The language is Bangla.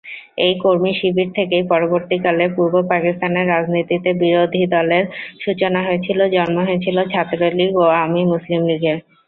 এই কর্মী শিবির থেকেই পরবর্তীকালে পূর্ব পাকিস্তানের রাজনীতিতে বিরোধী দলের সূচনা হয়েছিল, জন্ম হয়েছিল ‘ছাত্রলীগ’ ও ‘আওয়ামী মুসলিম লীগের’।